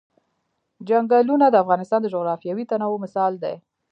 چنګلونه د افغانستان د جغرافیوي تنوع مثال دی.